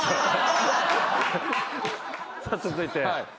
さあ続いて。